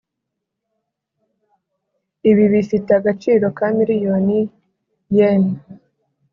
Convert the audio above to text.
ibi bifite agaciro ka miliyoni yen.